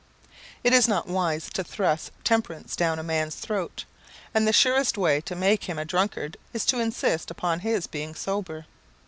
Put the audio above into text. It is not wise to thrust temperance down a man's throat; and the surest way to make him a drunkard is to insist upon his being sober.